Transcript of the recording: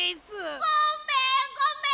ごめんごめん！